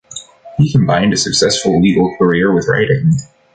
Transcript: He combined a successful legal career with writing.